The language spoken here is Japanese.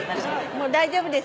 もう大丈夫です